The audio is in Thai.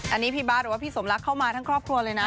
อันนี้พี่บาทหรือว่าพี่สมรักเข้ามาทั้งครอบครัวเลยนะ